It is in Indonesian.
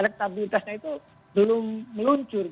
stabilitasnya itu belum meluncur